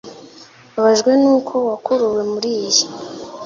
Mbabajwe nuko wakuruwe muriyi